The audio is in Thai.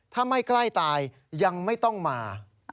ถ้าไม่ใกล้ตายยังไม่ต้องมา